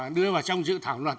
đưa vào trong dự thảo luật